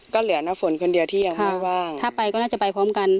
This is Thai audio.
ก็เหลือน้ำฝนคนเดียวที่ยังไม่ว่างถ้าไปก็น่าจะไปพร้อมกัน